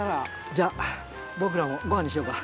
じゃ僕らもご飯にしようか。